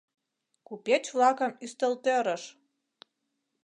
Купеч-влакым ӱстелтӧрыш